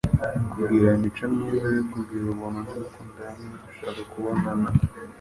kugira imico myiza yo kugira ubuntu no gukunda niba dushaka kubabonana